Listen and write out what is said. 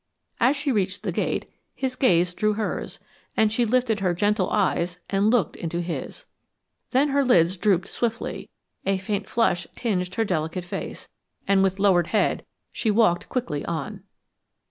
As she reached the gate, his gaze drew hers, and she lifted her gentle eyes and looked into his. Then her lids drooped swiftly; a faint flush tinged her delicate face, and with lowered head she walked quickly on.